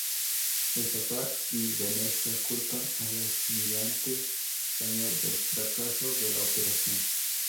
El Papa y Venecia culpan al almirante español del fracaso de la operación.